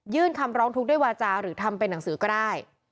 คำร้องทุกข์ด้วยวาจาหรือทำเป็นหนังสือก็ได้